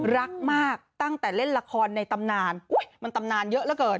รักมากตั้งแต่เล่นละครในตำนานมันตำนานเยอะเหลือเกิน